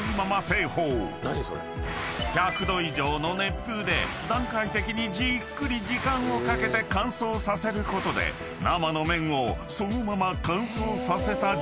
［１００℃以上の熱風で段階的にじっくり時間をかけて乾燥させることで生の麺をそのまま乾燥させた状態にできる］